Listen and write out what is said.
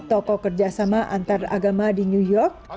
tokoh kerjasama antaragama di new york